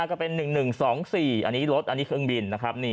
จะเป็น๑๑๒๔อันนี้รถอันนี้เครื่องบิน